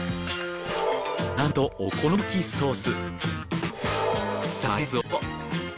なんとお好み焼きソース。